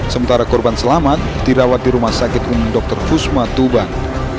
sementara korban selamat dirawat di rumah sakit umum dr kusma tuban